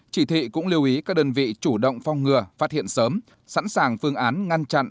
chỉ thị cũng lưu ý các đơn vị chủ động phong ngừa phát hiện sớm sẵn sàng phương án ngăn chặn